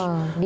oh dingin ya